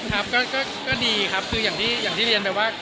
ครับก็ดีครับคืออย่างที่เรียนไปว่า